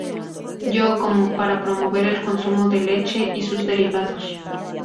Yo Como", para promover el consumo de leche y sus derivados.